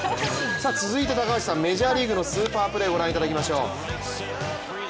続いてメジャーリーグのスーパープレーをご覧いただきましょう。